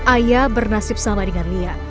ayah bernasib sama dengan lia